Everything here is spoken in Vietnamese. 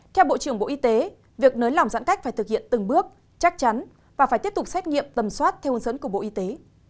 theo bộ trưởng bộ y tế việc nới lỏng giãn cách phải thực hiện từng bước chắc chắn và phải tiếp tục xét nghiệm tầm soát theo hướng dẫn của bộ y tế